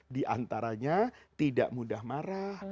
di antaranya tidak mudah marah